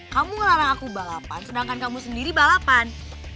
kamu ngelarang aku balapan sedangkan kamu sendiri balapan